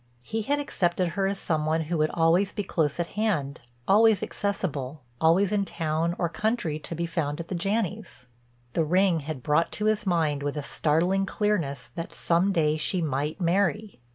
He had accepted her as some one who would always be close at hand, always accessible, always in town or country to be found at the Janneys'. And the ring had brought to his mind with a startling clearness that some day she might marry.